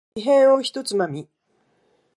木片を一つまみ。